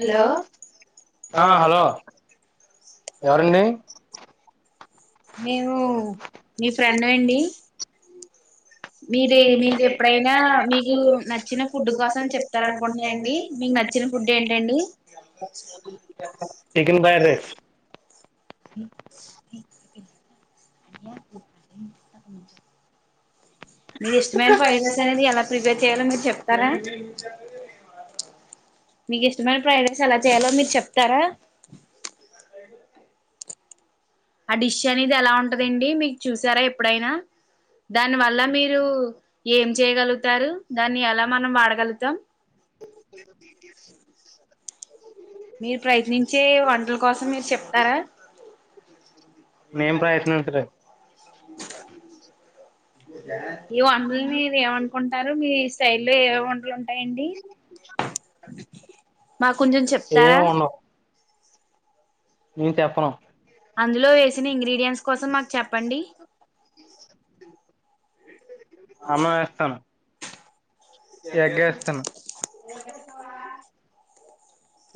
Hello ఆ hello ఎవరండి నేను మీ ఫ్రెండూ అండి మీరే మీరు ఎప్పుడైనా మీకు నచ్చిన ఫుడ్ కోసం చెప్తార అనుకుంటున్నాండి నచ్చిన ఫుడ్ ఏంటండి చికెన్ ఫ్రైడ్ రైస్ మీకు ఇష్టమైన ఫైడ్ రైస్ అనేది ఎలా ప్రిపేర్ చేయాలో మీరు చెప్తారా మీకు ఇష్టమైన ప్రైడేస్ ఎలా చేయాలో మీరు చెప్తారా ఆ డిష్ అనేది ఎలా ఉంటదండి మీకు చూసారా ఎప్పుడైనా దాని వల్ల మీరు ఏం చేయగలుగుతారు దాన్ని ఎలా మనం వాడగలుగుతాం మీరు ప్రయత్నించే వంటల కోసం మీరు చెప్తార [unintelligible] ఈ వంటలు నీ ఏమనుకుంటారు మీ స్టైల్ లో ఏ వంటలుంట అండి మాకు కొంచెం ఏమి చెప్తారా ఉండవు నేను చెప్పను అందులో వేసిన ఇంగ్రీడియంట్స్ కోసం మాకు చెప్పండి అన్నం వేస్తాను గ ఎగ్ వేస్తాను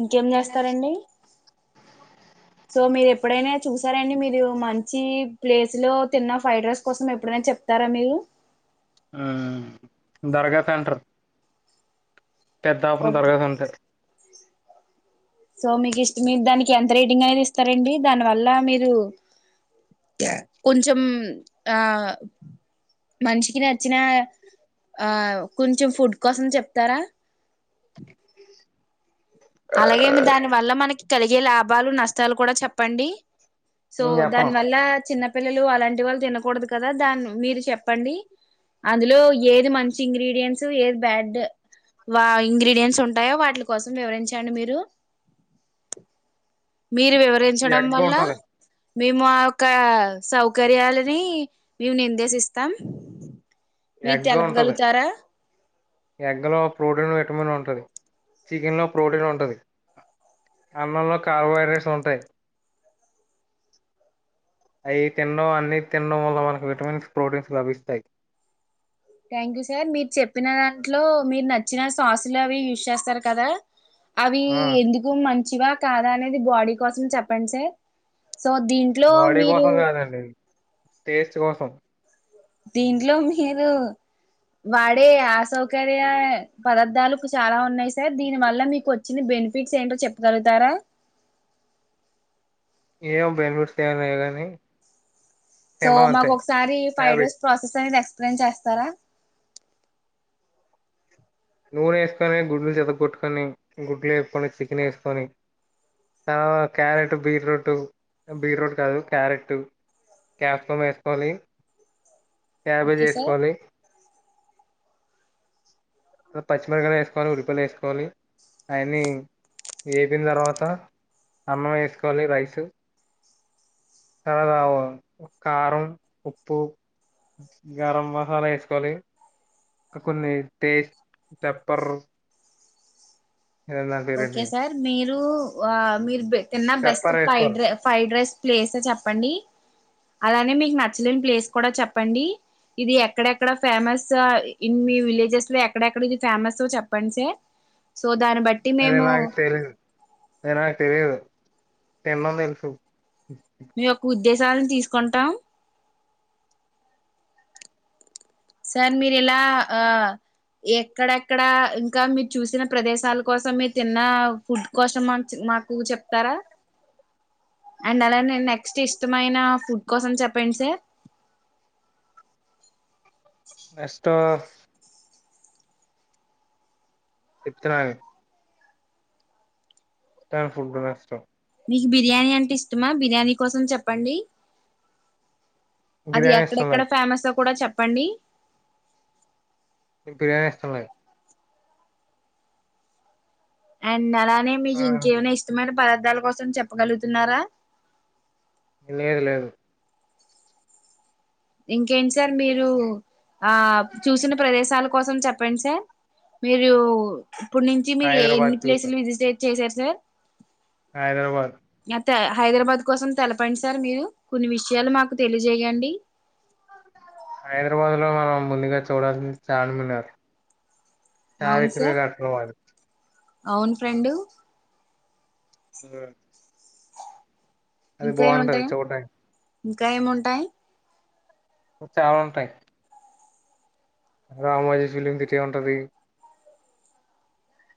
ఇంకేం చేస్తారండి సో మీరు ఎప్పుడైనా చూసారండి మీరు మంచి ప్లేస్ లో తిన్న ఫ్రైడ్ రైస్ కోసం ఎప్పుడైనా చెప్తారా మీరు దర్గా [unintelligible] పెద్ద ఆఫర్ం ఓకే తరగతుంటే సో మీకు ఇష్ట మీ దానికి ఎంత రీటింగ్ అనేది ఇస్తారండి దాని వల్ల మీరు కొంచెం ఆ మనిషికి నచ్చిన ఆ కొంచెం ఫుడ్ కోసం చెప్తారా అలాగే దాని వల్ల మనకి కలిగే లాభాలు నష్టాలు కూడా చెప్పండి సో నేను చెప్పను దాని వల్ల చిన్నపిిల్లలు అలాంటి వాళ్ళు తినకూడదు కదా దాని మీరు చెప్పండి అందులో ఏది మంచి ఇంగ్రీడియంట్స్ ఏది బ్యాడ్ వా ఇంగ్రీడియంట్స్ ఉంటాయో వాటిల కోసం వివరించండి మీరు మీరు వివరించడం ఎగ్ వల్ల ఉంటది మేము ఆ యొక్క సౌకర్యాలని మేము నిర్దేశిస్తాం మీరు ఎగ్గ ఉంటది తెలపగలుగుతారా ఎగ్ లో ప్రోటీన్ విటమిన్ ఉంటుది చికెన్ లో ప్రోటీన్ ఉంటది అన్నంలో కార్బోహైడ్రేట్స్ ఉంటాయి అవి తినండడం అన్ని తినినడం వల్ల మనకి విటమిన్స్ ప్రోటీన్స్ లభిస్తాయి థ్యాంక్ యూ సార్ మీరు చెప్పిన దాంట్లో మీరు నచ్చిన సాసులు అవి యూస్ చేస్తారు కదా అవి ఆ ఎందుకు మంచివా కాదా అనేది బాడీ కోసం చెప్పండి సార్ సో దీంట్లో బాడీ మీరు కోసం కాదండి టేస్ట్ కోసం దీంట్లో మీరు వాడే అసౌకర్య పదార్థాలు చాలా ఉన్నాయి సార్ దీని వల్ల మీకు వచ్చిన బెనిఫిట్స్ ఏంటో చెప్పగలుగుతారా ఏమో బెనిఫిట్స్ ఏమన్నాయి కాగానీ సో మాకు ఒకసారి ఫైవ్ డేస్ ప్రాసెస్ అనేది ఎక్స్ప్లెయిన్ చేస్తారా నూనె వేసుకొని గుడ్లు చెత కొొట్టుకొని గుడ్లు వేప్పుకొని చికెన్ వేసుకొని క్యారెట్ బీట్రూట్ బీట్రూట్ కాదు క్యారెట్ క్యాబ్ ఫమ్ వేసుకోవాలి క్యాబేజ్ ఓకే సార్ వేసుకొని పచ్చిమిరకాయ వేసుకోవాలి ఉడిపియలి వేసుకోవాలి అయన్ని వేపిన తర్వాత అన్నం వేసుకోవాలి రైసు తర్వా కారం ఉప్పు గరం మసాలా వేసుకోవాలి కొన్ని టేస్ట్ చెప్పర్ ఎల్ల అండి రెడీ నువ్వు వా మిర్బె తిన్న బెస్ట్ పెప్పర్ ఫ్రైడ్ వేసుకోవాలి రై ఫ్రైడ్ రైస్ ప్లేస్ చెప్పండి అలానే మీకి నచ్చలేని ప్లేస్ కూడా చెప్పండి ఇది ఎక్కడెక్కడ ఫేమస్ ఇన్ మీ విలేజెస్ లో ఎక్కడెక్కడ ఇది ఫేమసో చెప్పండి సార్ సో దాని బట్ అది నాకు తెలీదు అది నాకు తెలీదు తిండం తెలుసు మీ యొక్క ఉద్దేశాలను తీసుకుంటాం సార్ మీరు ఎలా ఆ ఎక్కడెక్కడ ఇంకా మీరు చూసిన ప్రదేశాల కోసం మీరు తిన్న ఫుడ్ కోసం మాకు చెప్తారా అండ్ అలా నేను నెక్స్ట్ ఇష్టమైన ఫుడ్ కోసం చెప్పండి సార్ ఎస్టు చెప్తున్నాయి ట ఫుడ్ నష్టం మీకు బిర్యానీ అంటే ఇష్టమా బిర్యానీ కోసం చెప్పండి అది బిర్యానీ ఇష్టం ఎక్కడెక్కడ లేదు ఫేమస్ కూడా చెప్పండి బిర్యాని ఇష్టంలేదు అలానే ఆ మీకు ఇంకేమైనా ఇష్టమైన పదార్థాల కోసం చెప్పగలుగుతున్నారా లేదు లేదు ఇంకేంటి సార్ మీరు ఆ చూసిన ప్రదేశాలు కోసం చెప్పండి సార్ మీరు ఇప్పుడు నుంచి మీరు హైదరాబాద్ ఎన్ని ప్లేసులు విసిట్ చేసారు సార్ హైదరాబాద్ హైదరాబాద్ కోసం తెలపండి సార్ మీరు కొన్ని విషయాలు మాకు తెలియజేయండి హైదరాబాద్ లో మనం ముందుగా చూడాల్సింది చార్మినార్ అవును చారిత్ర సార్ కటల వారు అవును ఫ్రెండు ఉ అది ఇంకా బాగుంటది ఏముంటాయి చూడ్డానికి ఇంకా ఏముంటాయి చాలా ఉంటాయి అ రామోజీ ఫిలిం సిటీ ఉంటది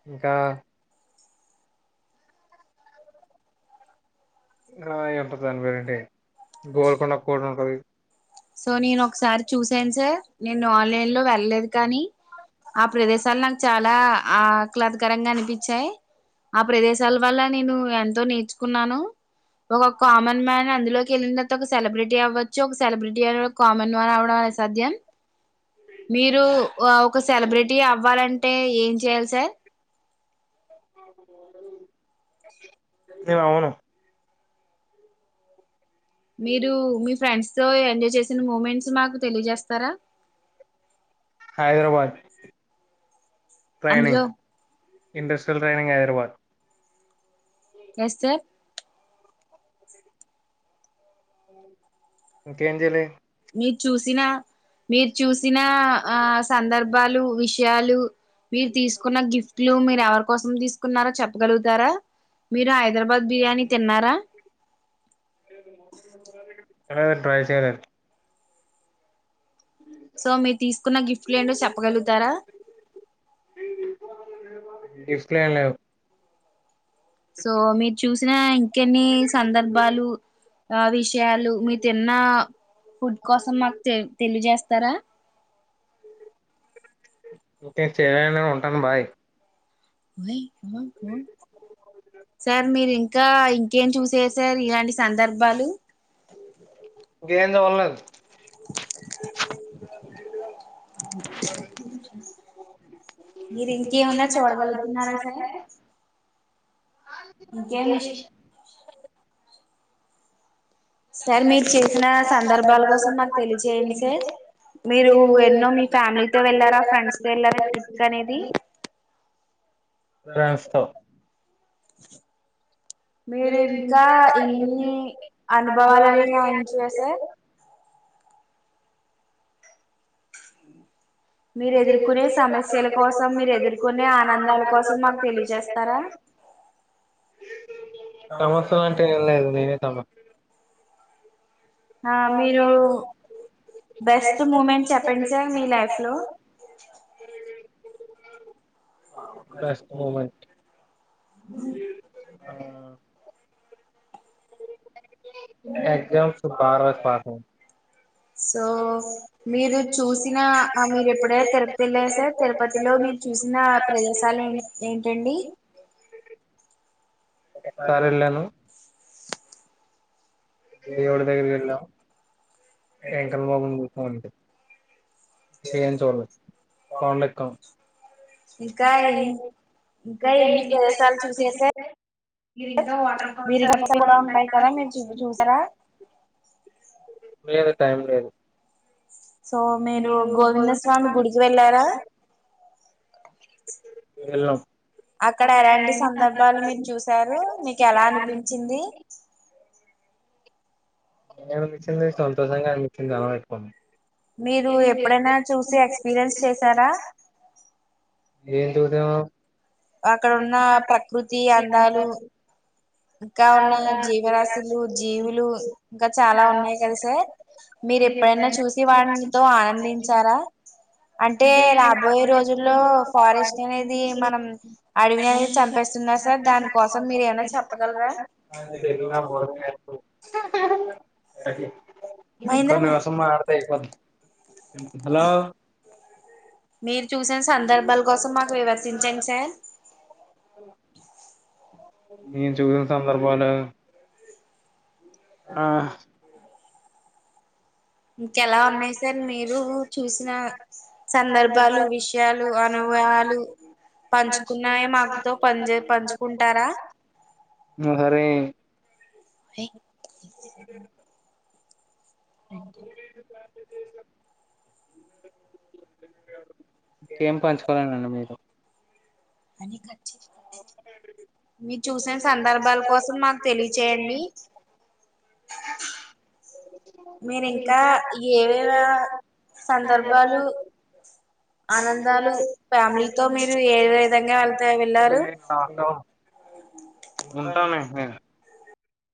ఇంకా ఆ ఏ ఉంటది దాని పేరేంటి గోల్కొండ కోట ఉంటది సో నేను ఒకసారి చూసాను సార్ నేను ఆన్లైన్ లో వెళ్ళలేదు కానీ ఆ ప్రదేశాలు నాకు చాలా ఆ ఆహ్లాదకరంగా అనిపించాయి ఆ ప్రదేశాల వల్ల నేను ఎంతో నేర్చుకున్నాను ఒక కామన్ మ్యాన్ అందులోకి వెళ్ళిన తర్వాత ఒక సెలబ్రిటీ అవ్వచ్చు ఒక సెలబ్రిటీ ఈడ కమన్ వన్ అవడమే సధ్యం మీరు ఒక సెలబ్రిటీ అవ్వాలంటే ఏం చెయాలి సార్ ఏ అవును మీరు మీ ఫ్రెండ్స్ తో ఎంజాయ్ చేసిన మూమెంట్స్ మాకు తెలియజేస్తారా హైదరాబాద్ అందులో ట్రైనింగ్ ఇండస్ ట్రైనింగ్ హైదరాబాద్ ఎస్ సార్ ఇంకేం చేయాలి మీరు చూసిన మీరు చూసిన ఆ సందర్భాలు విషయాలు మీరు తీసుకున్న గిఫ్ట్లు మీరు ఎవరి కోసం తీసుకున్నారో చెప్పగలుగుతారా మీరు హైదరాబాద్ బిర్యానీ తిన్నారా ట్రై చేయలే సో మీరు తీసుకున్న గిఫ్ట్లు ఏంటో చెప్పగలుగుతారా గిఫ్ట్ ఏమి లెవ్ సో మీరు చూసిన ఇంకెన్ని సందర్భాలు అవి త్యాలు మీ తిన్న ఫుడ్ కోసం మాకు తె తెలియజేస్తారా ఇంకా చేయను ఉంటాను బాయ్ ఓయ్ పో పో సార్ మీరు ఇంకా ఇంకేం చూశేషారు సార్ ఇలాంటి సందర్భాలు ఎం చూడలేదు [inaudible] మీరు ఇంకేమన్నా చూడగలుగుతున్నారా సార్ ఇంకేమి ఇంకేం విషయ సార్ మీరు చేసిన సందర్భాల కోసం మాకు తెలియజేయండి సార్ మీరు ఎన్నో మీ ఫ్యామిలీతో వెళ్ళారా ఫ్రెండ్స్ తో వెళ్లారా ట్రిప్ కి అనేది ఫ్రెండ్స్ రాస్తా తో మీరు ఇంకా ఇన్ని అనుభవాలని అంచే సార్ మీరు ఎదుర్కొనే సమస్యల కోసం మీరు ఎదుర్కొనే ఆనందాల కోసం మాకు తెలియజేస్తారా ఆ సమస్య అంటే ఏం లేదు నేనే తమ ఆ మీరు బెస్ట్ మూమెంట్ చెప్పండి సార్ మీ లైఫ్ లో బెస్ట్ మూమెంట్ ఆ ఎగ్జామ్స్ బాగా రాసి పాస్ అయినాను సో మీరు చూసిన మీరు ఎప్పుడైతే తిరుపతి వెళ్ళరా సర్ తిరుపతిలో మీరు చూసిన ప్రదేశాలు ఏ ఏంటండి ఒకసారి వెళ్ళను దేవుడు దగ్గర వెళ్ళాము వెంకన్న [unintelligible] ఏం చూడలేదు కొండ ఎక్కాం ఇంకా ఎన్- ఇంకా ఎన్ని [unintelligible] ప్రదేశాలు విరిగట్టలు కూడా ఉంటాయి కదా మీరు చూ చూసారా లేదు టైం లేదు సో మీరు గోవింద స్వామి గుడికి వెళ్లారా వెళ్ళాం అక్కడ ఎలాంటి సందర్భాలు మీరు చూసారు మీకు ఎలా అనిపించింది ఏమి అనిపించింది సంతోషంగా అనిపించింది [unintelligible] మీరు ఎప్పుడైనా చూసి ఎక్స్పీరియన్స్ చేసారా ఏం చూసావ్ అక్కడ ఉన్న ప్రకృతి అందాలు ఇంకా ఉన్నయి జీవరాశులు జీవులు ఇంకా చాలా ఉన్నాయి కదా సార్ మీరు ఎప్పుడైనా చూసి వాడినితో ఆనందించారా! అంటే రాబోయే రోజుల్లో ఫారెస్ట్ అనేది మనం అడవిని అనేది చంపిస్తున్నారు సార్ దానికోసం మీరు ఏమైనా చ చెప్పగలరా మహేంద్ర ఇంకా [unintelligible] అయిపొద్ది హలో మీరు చూసిన సందర్భాల కోసం మాకు వివర్శంచండి సార్ న చూసిన సందర్భాల ఆ ఇంకెలా ఉన్నాయి సార్ మీరు చూసిన సందర్భాలు విషయాలు అనుభవాలు పంచుకున్నాయ మాకుతో పజె పంచుకుంటారా మెహరే వే ఇ ఇంకేం పంచుకోవాలనండి మీరు అని కట్ అ మీరు చూసిన సందర్భాల కోసం మాకు తెలియచేయండి మీరింక ఏవే సందర్భాలు ఆనందాలు ఫ్యామిలీతో మీరు ఏ విధంగా వెళ్త వెళ్ళారు అ ఉంటానే హే